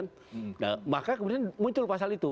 nah maka kemudian muncul pasal itu